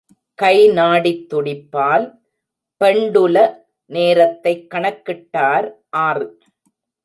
கை நாடித் துடிப்பால் பெண்டுல நேரத்தை கணக்கிட்டார் ஆறு.